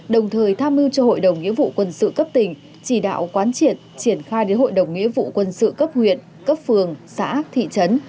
đồng thời tham mưu cho hội đồng nghĩa vụ quân sự cấp tỉnh chỉ đạo quán triệt triển khai đến hội đồng nghĩa vụ quân sự cấp huyện cấp phường xã thị trấn